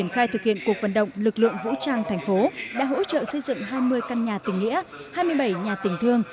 khai thực hiện cuộc vận động lực lượng vũ trang tp hcm đã hỗ trợ xây dựng hai mươi căn nhà tỉnh nghĩa hai mươi bảy nhà tỉnh thương